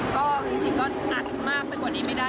ก็จริงก็ตัดมากไปกว่านี้ไม่ได้